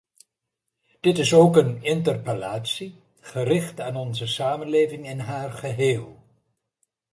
Dit is ook een interpellatie gericht aan onze samenleving in haar geheel.